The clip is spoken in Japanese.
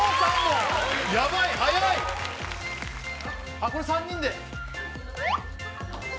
あっこれ３人で。